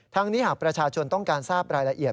นี้หากประชาชนต้องการทราบรายละเอียด